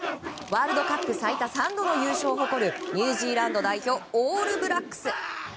ワールドカップ最多３度の優勝を誇るニュージーランド代表オールブラックス。